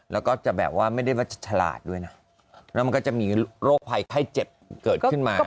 แล้วก็จะแบบว่าไม่ได้ว่าจะฉลาดด้วยนะแล้วมันก็จะมีโรคภัยไข้เจ็บเกิดขึ้นมา